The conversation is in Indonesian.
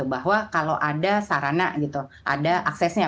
bahwa kalau ada sarana gitu ada aksesnya